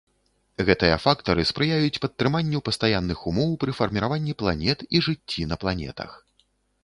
Гэтыя фактары спрыяюць падтрыманню пастаянных умоў пры фарміраванні планет і жыцці на планетах.